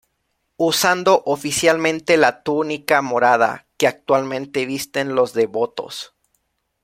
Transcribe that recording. Usando oficialmente la túnica Morada, que actualmente visten los devotos.